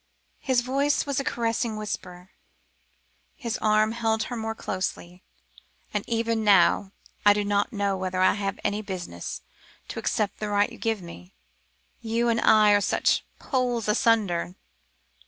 His voice was a caressing whisper, his arm held her more closely. "And even now, I do not know whether I have any business to accept the right you give me? You and I are such poles asunder."